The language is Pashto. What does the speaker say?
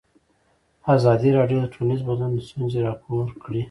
ازادي راډیو د ټولنیز بدلون ستونزې راپور کړي.